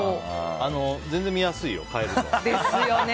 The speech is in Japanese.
全然見やすいよ、変えると。